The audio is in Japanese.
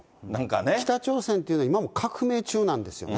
北朝鮮っていうのは、革命中なんですよね。